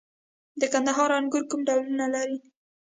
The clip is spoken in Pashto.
د کندهار انګور کوم ډولونه لري؟